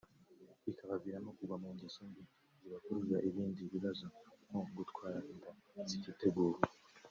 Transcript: bikabaviramo kugwa mu ngeso mbi zibakururira ibindi bibazo nko gutwara inda zititeguwe